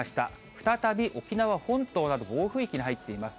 再び沖縄本島など、暴風域に入っています。